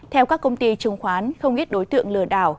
theo các công ty chứng khoán không ít đối tượng lừa đảo